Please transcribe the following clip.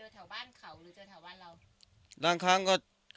เจอแถวบ้านเขาหรือเจอแถวบ้านเรา